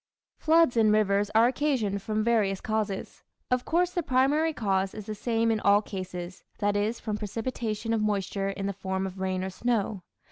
Floods in rivers are occasioned from various causes. Of course the primary cause is the same in all cases, that is, from precipitation of moisture in the form of rain or snow.